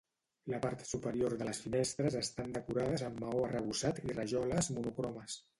La part superior de les finestres estan decorades amb maó arrebossat i rajoles monocromes.